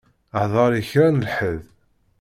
Hḍeṛ i kra n ḥedd.